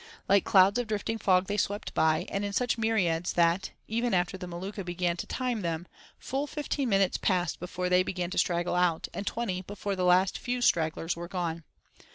Like clouds of drifting fog they swept by, and in such myriads that, even after the Maluka began to time them, full fifteen minutes passed before they began to straggle out, and twenty before the last few stragglers were gone.